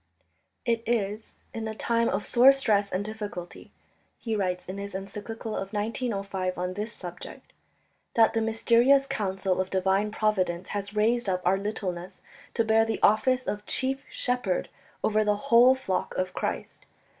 "It is in a time of sore stress and difficulty," he writes in his encyclical of 1905 on this subject, "that the mysterious counsel of divine Providence has raised up our littleness to bear the office of chief shepherd over the whole flock of Christ